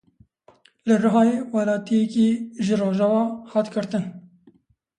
Li Rihayê welatiyekî ji Rojava hat girtin.